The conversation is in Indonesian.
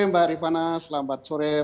mbak haripana selamat sore